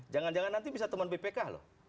jangan jangan nanti bisa teman bpk loh